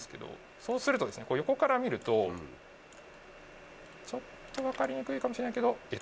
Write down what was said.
そうすると横から見るとちょっと分かりにくいかもしれないけど